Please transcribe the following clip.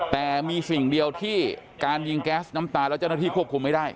แต่มีสิ่งเดียวที่การยิงแก๊สน้ำตาแล้วเจ้าหน้าที่ควบคุมไม่ได้